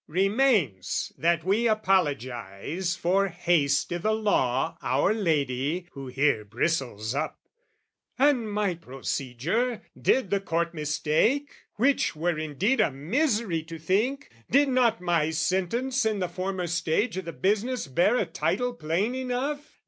Remains that we apologize for haste I' the Law, our lady who here bristles up "And my procedure? Did the Court mistake? "(Which were indeed a misery to think) "Did not my sentence in the former stage "O' the business bear a title plain enough?